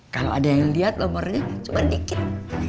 kalau ada yang lihat nomornya cuma dikit